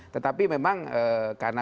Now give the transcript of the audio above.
tetapi memang karena